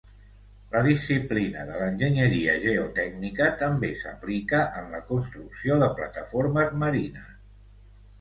La disciplina de l'enginyeria geotècnica també s'aplica en la construcció de plataformes marines.